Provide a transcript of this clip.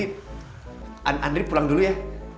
indri pulang dulu ya